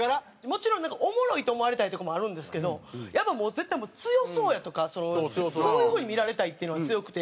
もちろんおもろいと思われたいとかもあるんですけどやっぱもう絶対強そうやとかそういう風に見られたいっていうのが強くて。